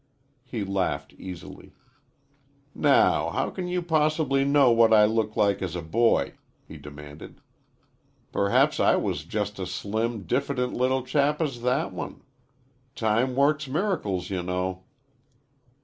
He laughed easily. "Now, how can you possibly know what I looked like as a boy?" he demanded. "Perhaps I was just such a slim, diffident little chap as that one. Time works miracles, you know."